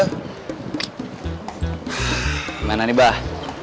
gimana nih bah